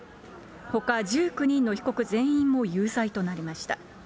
ほか１９人の被告全員も有罪となりました。